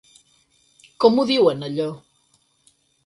Com ho diuen, allò?